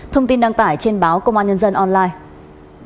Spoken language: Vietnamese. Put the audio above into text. thông tin đăng tải trên báo công an nhân dân online